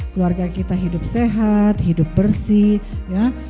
keluarga kita hidup sehat hidup bersih ya